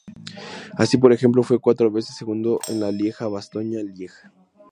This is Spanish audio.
Así, por ejemplo, fue cuatro veces segundo en la Lieja-Bastoña-Lieja.